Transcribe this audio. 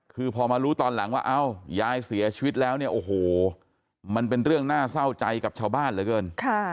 คือพอมารู้ตอนหลังว่าเอ้ายายเสียชีวิตแล้วเนี่ยโอ้โหมันเป็นเรื่องน่าเศร้าใจกับชาวบ้านเหลือเกิน